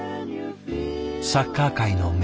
サッカー界の名将